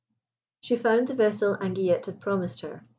She found the vessel Anguillette had promised her.